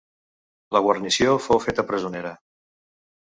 La guarnició fou feta presonera.